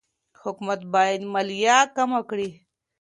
حکومت باید مالیه کمه کړي.